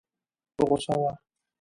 په غوسه وه.